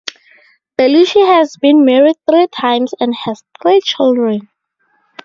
Belushi has been married three times and has three children.